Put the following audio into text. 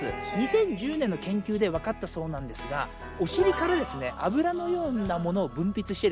２０１０年の研究で分かったそうなんですがお尻からですね脂のようなものを分泌してですね